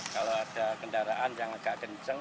kalau ada kendaraan yang agak kencang